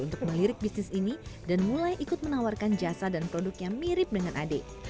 untuk melirik bisnis ini dan mulai ikut menawarkan jasa dan produk yang mirip dengan ade